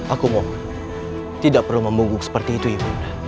aku mau tidak perlu membuguk seperti itu ibu